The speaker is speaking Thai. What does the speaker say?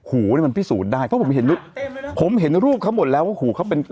หูนี่มันพิสูจน์ได้เพราะผมเห็นผมเห็นรูปเขาหมดแล้วว่าหูเขาเป็น